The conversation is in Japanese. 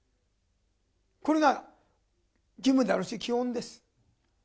これが義務であるし基本です。